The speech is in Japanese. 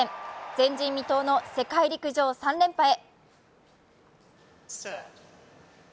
前人未到の世界陸上３連覇へ。